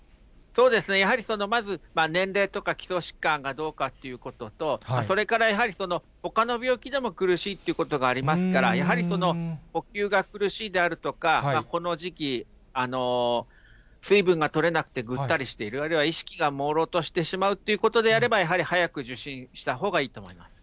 やはりまず、年齢とか基礎疾患がどうかっていうことと、それからやはり、ほかの病気でも苦しいということがありますから、やはり呼吸が苦しいであるとか、この時期、水分がとれなくてぐったりしている、あるいは意識がもうろうとしてしまうということであれば、やはり早く受診したほうがいいと思います。